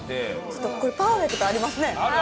これパーフェクトありますね。